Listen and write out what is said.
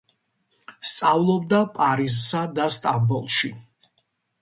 სწავლობდა პარიზსა და სტამბოლში.